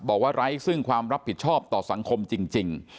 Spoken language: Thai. ไร้ซึ่งความรับผิดชอบต่อสังคมจริง